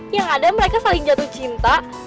yang ada mereka saling jatuh cinta